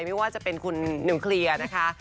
ไม่ว่าจะเป็นคุณนิวเคลียร์นะคะ